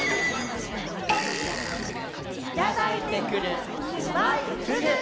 「いただいてくるうまいふぐ」！